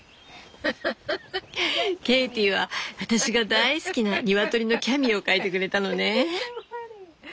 ケイティは私が大好きな鶏のキャミーを描いてくれたのね。